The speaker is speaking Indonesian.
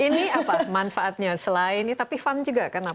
ini apa manfaatnya selain tapi fun juga kan